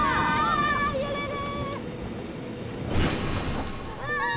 揺れる！